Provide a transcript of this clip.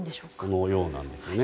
そのようなんですね。